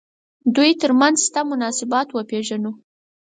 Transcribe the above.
دوی تر منځ شته مناسبات وپېژنو.